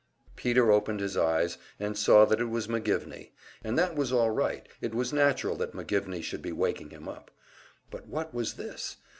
Peter opened his eyes, and saw that it was McGivney; and that was all right, it was natural that McGivney should be waking him up. But what was this?